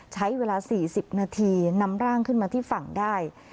ใช้เวลา๔๐นาทีนำร่างขึ้นมาที่ฝั่งได้